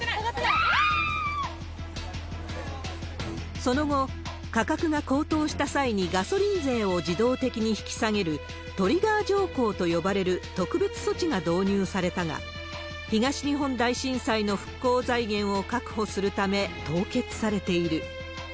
その後、価格が高騰した際にガソリン税を自動的に引き下げる、トリガー条項と呼ばれる特別措置が導入されたが、東日本大震災の復興財源を確保するため、凍結されている。